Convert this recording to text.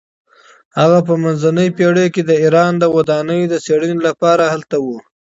هغې په منځنیو پیړیو کې د ایران د ودانیو د څیړنې لپاره هلته وه.